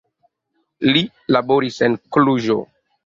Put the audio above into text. Li laboris en Kluĵo.